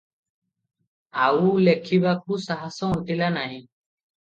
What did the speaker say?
ଆଉ ଲେଖିବାକୁ ସାହାସ ଅଣ୍ଟିଲା ନାହିଁ ।